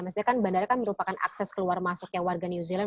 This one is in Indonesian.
maksudnya kan bandara kan merupakan akses keluar masuknya warga new zealand